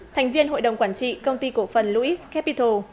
thành viên hội đồng quản trị công ty cổ phần lois capital